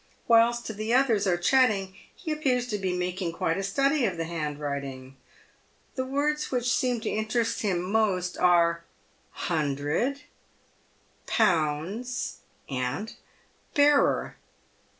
Whilst the others are chatting, he appears to be making quite a study of the hand writing. The words which seem to interest him most are " hundred," " pounds," and " bearer."